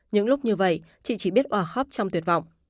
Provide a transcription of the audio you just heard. những lúc như vậy chị chi biết hòa khóc trong tuyệt vọng